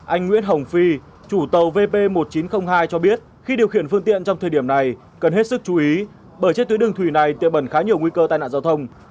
anh nguyễn hồng phi chủ tàu vp một nghìn chín trăm linh hai cho biết khi điều khiển phương tiện trong thời điểm này cần hết sức chú ý bởi trên tuyến đường thủy này tiệm bẩn khá nhiều nguy cơ tai nạn giao thông